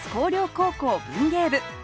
高校文芸部。